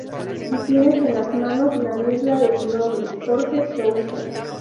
Ya tienes En las manos, la niebla de tu nombre, Jorge Souza.